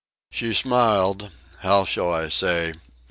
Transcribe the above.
She smiled, how shall I say?